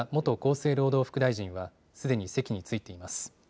生労働副大臣はすでに席に着いています。